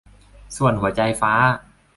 ส่วนหัวใจฟ้า